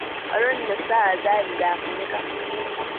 Olwo nno essaawa zaali za kunnyuka ku mmimbi.